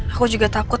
aku juga takut